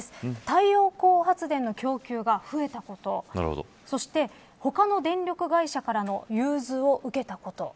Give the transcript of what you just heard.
太陽光発電の供給が増えたことそして、他の電力会社からの融通を受けたこと。